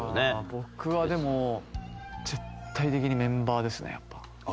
僕はでも絶対的にメンバーですねやっぱ。